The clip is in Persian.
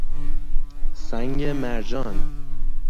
سنگ مرجان